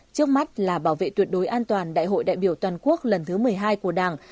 trước mắt là bảo vệ tuyệt đối an toàn đại hội đại biểu toàn quốc lần thứ một mươi hai của đảng